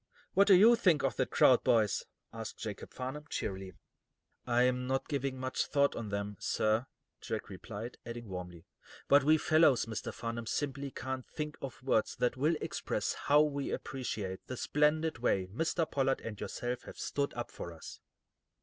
"What do you think of that crowd, boys?" asked Jacob Farnum, cheerily. "I'm not giving much thought to them, sir," Jack replied, adding warmly: "But we fellows, Mr. Farnum, simply can't think of words that will express how we appreciate the splendid way Mr. Pollard and yourself have stood up for us."